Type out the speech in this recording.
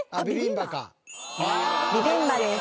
ビビンバです。